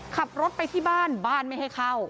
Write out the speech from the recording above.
ขับรถไปที่บ้านบ้านไม่ให้เข้า